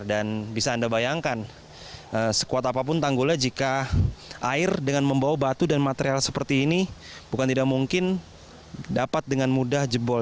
dan bisa anda bayangkan sekuat apapun tanggulnya jika air dengan membawa batu dan material seperti ini bukan tidak mungkin dapat dengan mudah jebol